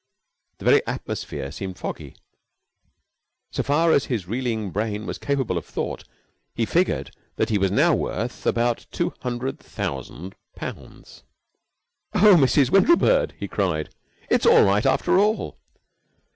The very atmosphere seemed foggy. So far as his reeling brain was capable of thought, he figured that he was now worth about two hundred thousand pounds. "Oh, Mrs. Windlebird," he cried, "It's all right after all."